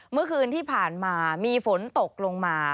เมื่อคืนที่ผ่านมามีฝนตกลงมา